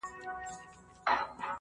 د آدب ټوله بهير را سره خاندي,